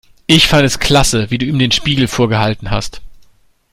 Ich fand es klasse, wie du ihm den Spiegel vorgehalten hast.